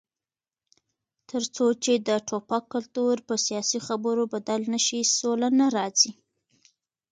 تر څو چې د ټوپک کلتور په سیاسي خبرو بدل نشي، سوله نه راځي.